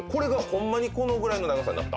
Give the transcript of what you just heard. ホンマにこのぐらいの長さになった？